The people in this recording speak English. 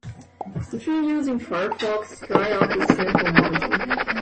If you are using Firefox, try out this sample module.